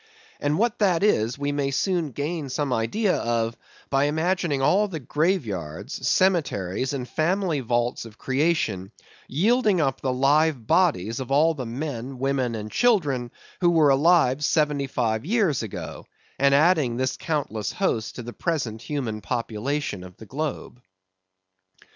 And what that is, we may soon gain some idea of, by imagining all the grave yards, cemeteries, and family vaults of creation yielding up the live bodies of all the men, women, and children who were alive seventy five years ago; and adding this countless host to the present human population of the globe.